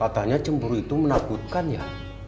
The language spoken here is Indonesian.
katanya cemburu itu menakutkan ya